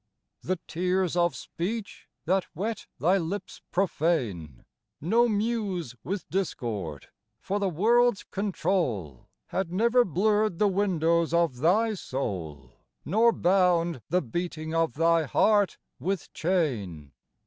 The tears of speech that wet thy lips profane No Muse with discord, for the world's control Had never blurred the windows of thy soul Nor bound the beating of thy heart with chain.